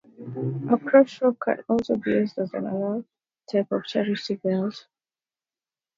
A crotch rope can also be used as an unsophisticated type of chastity belt.